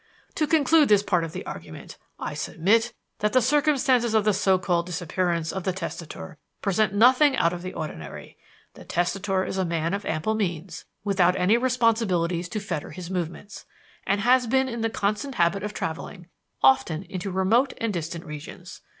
"To conclude this part of the argument: I submit that the circumstances of the so called disappearance of the testator present nothing out of the ordinary. The testator is a man of ample means, without any responsibilities to fetter his movements, and has been in the constant habit of traveling, often into remote and distant regions.